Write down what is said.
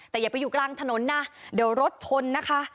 แต่อย่าไปอยู่กลางถนนนะเดี๋ยวรถชนนะคะ